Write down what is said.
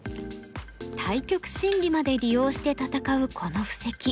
対局心理まで利用して戦うこの布石。